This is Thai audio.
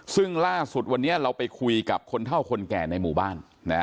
ซึ่งล่าสุดวันนี้เราไปคุยกับคนเท่าคนแก่ในหมู่บ้าน